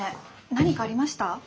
何かありました？